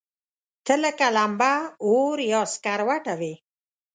ته لکه لمبه، اور يا سکروټه وې